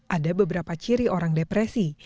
ada beberapa ciri orang depresi